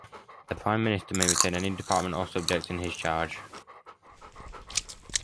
The Prime Minister may retain any department or subject in his charge.